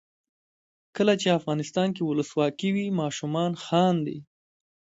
کله چې افغانستان کې ولسواکي وي ماشومان خاندي.